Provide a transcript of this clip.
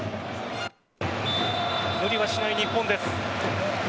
無理はしない日本です。